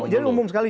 jadi umum sekali